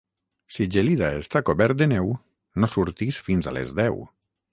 Si Gelida està cobert de neu, no surtis fins a les deu.